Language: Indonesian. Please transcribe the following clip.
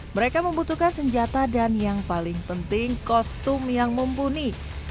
mereka membutuhkan senjata dan yang paling penting kostum yang mumpuni